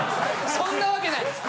そんなわけないですよ。